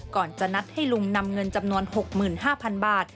ก่อนจะนัดให้ลุงนำเงินจำนวน๖๕๐๐๐บาท